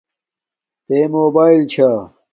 تے تا موباݵل چھا